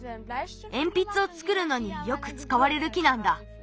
えんぴつをつくるのによくつかわれる木なんだ。